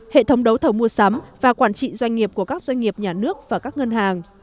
hệ thống đấu thầu mua sắm và quản trị doanh nghiệp của các doanh nghiệp nhà nước và các ngân hàng